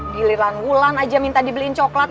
giliran wulan aja minta dibeliin coklat